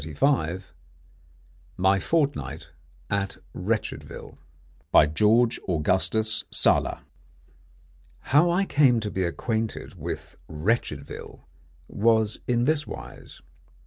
_) MY FORTNIGHT AT WRETCHEDVILLE. GEORGE AUGUSTUS SALA. How I came to be acquainted with Wretchedville was in this wise.